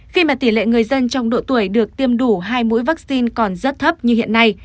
khi mà tỷ lệ người dân trong độ tuổi được tiêm đủ hai mũi vaccine còn rất thấp như hiện nay